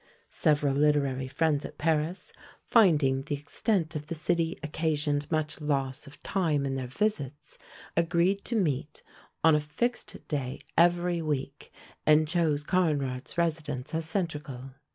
Several literary friends at Paris, finding the extent of the city occasioned much loss of time in their visits, agreed to meet on a fixed day every week, and chose Conrart's residence as centrical.